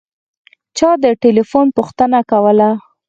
چا د تیلیفون پوښتنه کوله.